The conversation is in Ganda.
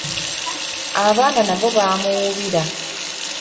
Abaana nabo ba muwuubira.